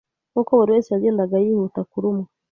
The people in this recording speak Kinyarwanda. Nkuko buriwese yagendaga yihuta kurumwa